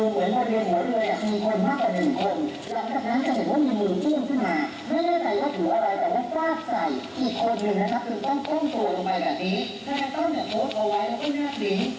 ก็รู้จักว่าไฟมันเห็นพักทำกันแล้วครับ